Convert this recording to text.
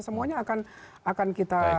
semuanya akan kita